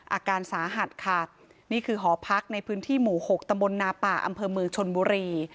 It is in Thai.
อาการสาหัสค่ะนี่คือหอพักในพื้นที่หมู่๖ตำบลนาป่าอำเภอเมืองชนบุรี